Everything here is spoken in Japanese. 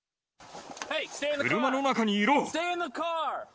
車の中にいろ！